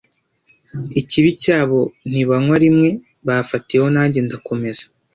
ikibi cyabo ntibanywa rimwe bafatiyeho nanjye ndakomeza